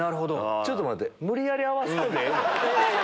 ちょっと待って。